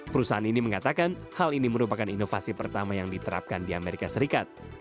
perusahaan ini mengatakan hal ini merupakan inovasi pertama yang diterapkan di amerika serikat